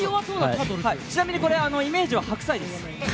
ちなみにこれイメージは白菜です。